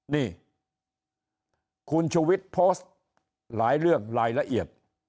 นี่คุณชุวิตโพสต์หลายเรื่องรายละเอียด